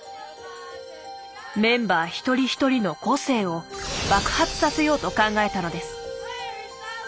メンバー一人一人の個性を爆発させようと考えたのです。